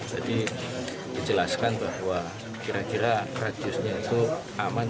jadi dijelaskan bahwa kira kira radiusnya itu aman